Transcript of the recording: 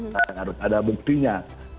harus ada buktinya